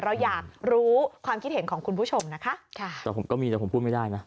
เราอยากรู้ความคิดเห็นของคุณผู้ชมนะคะค่ะแต่ผมก็มีแต่ผมพูดไม่ได้นะ